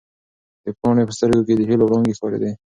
د پاڼې په سترګو کې د هیلو وړانګې ښکارېدې.